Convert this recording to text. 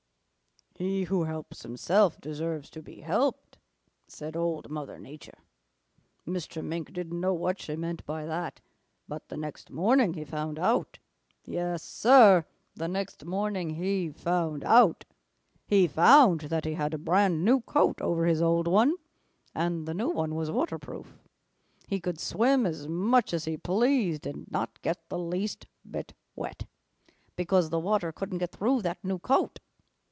"'He who helps himself deserves to be helped,' said Old Mother Nature. Mr. Mink didn't know what she meant by that, but the next morning he found out. Yes, Sir, the next morning he found out. He found that he had a brand new coat over his old one, and the new one was waterproof. He could swim as much as he pleased and not get the least bit wet, because the water couldn't get through that new coat.